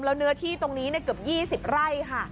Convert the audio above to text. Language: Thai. แล้วเนื้อที่ตรงนี้เกือบ๒๐ไร่ค่ะ